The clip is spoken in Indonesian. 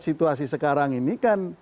situasi sekarang ini kan